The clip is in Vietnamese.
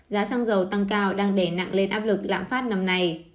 giá xăng dầu tăng cao đang đè nặng lên áp lực lạm phát năm nay